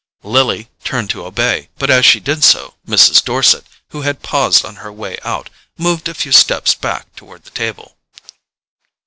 Lily turned to obey; but as she did so, Mrs. Dorset, who had paused on her way out, moved a few steps back toward the table.